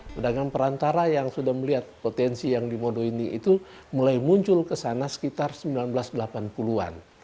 pedagang perantara yang sudah melihat potensi yang di modo ini itu mulai muncul kesana sekitar seribu sembilan ratus delapan puluh an